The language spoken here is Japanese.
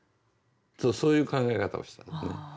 そういう考え方をしたわけですね。